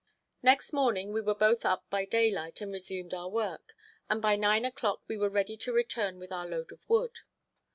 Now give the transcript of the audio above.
Next morning we were both up by daylight and resumed our work, and by nine o'clock we were ready to return with our load of wood.